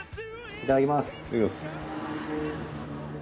いただきます。